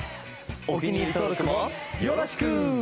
お気に入り登録もよろしく！